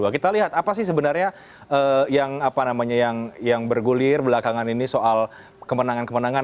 kita lihat apa sih sebenarnya yang bergulir belakangan ini soal kemenangan kemenangan